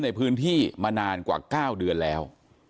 ในพื้นที่มานานกว่า๙เดือนแล้ว